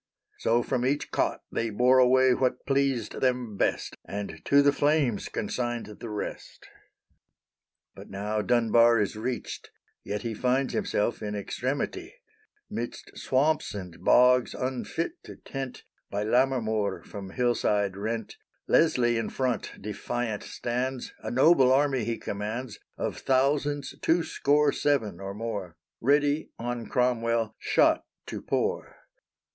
So from each cot They bore away what pleased them best, And to the flames consigned the rest. But now Dunbar is reached; yet he Finds himself in extremity; Midst swamps and bogs unfit to tent, By Lammermoor from hillside rent, Leslie in front defiant stands A noble army he commands Of thousands two score seven, or more, Ready on Cromwell shot to pour.